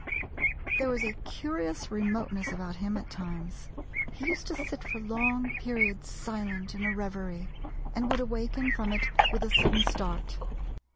There was a curious remoteness about him at times. He used to sit for long periods silent in a reverie, and would awaken from it with a sudden start.